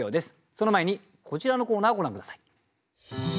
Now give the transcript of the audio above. その前にこちらのコーナーをご覧下さい。